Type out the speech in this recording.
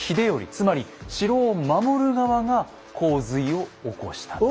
つまり城を守る側が洪水を起こしたと。